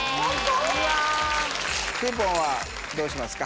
クーポンはどうしますか？